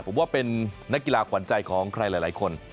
ผมว่าเป็นนักกีฬาขวัญใจของใครหลายคน